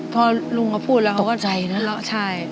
พอลุงเขาพูดแล้วเขาก็ใจเนอะใช่